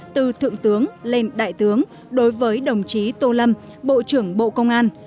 từ thượng tướng lên đại tướng đối với đồng chí tô lâm bộ trưởng bộ công an